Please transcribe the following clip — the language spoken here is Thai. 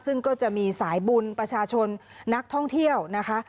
ซึ่งก็จะมีสายบุญประชาชนนักท่องเที่ยวนะคะ